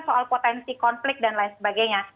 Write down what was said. soal potensi konflik dan lain sebagainya